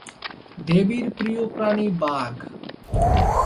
দেবীর প্রিয় প্রাণী বাঘ।